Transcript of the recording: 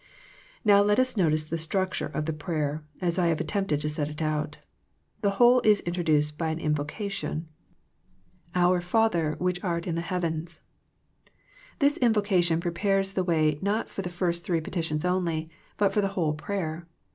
Now let us notice the structure of the prayer as I have attempted to set it out. The whole is introduced by an invocation — 68 THE PEACTIOE OF PEAYER Our Father which art in the heavens. This invocation prepares the way not for the first three petitions only, but for the whole prayer.